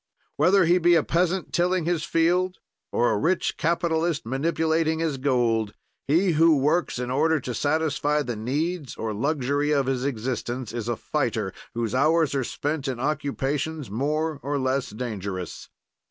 "Whether he be a peasant tilling his field or a rich capitalist manipulating his gold, he who works in order to satisfy the needs or luxury of his existence is a fighter whose hours are spent in occupations more or less dangerous.